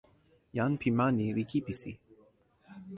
jan pi ma ni li kipisi.